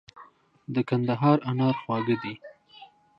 د کندهار انار خواږه دي.